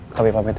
kami pamit ya